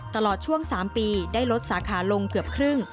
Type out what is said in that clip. ตลอดช่วง๓ปีได้ลดสาขาลงเกือบครึ่ง